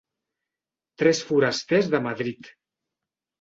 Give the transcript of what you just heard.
Tres forasters de Madrid.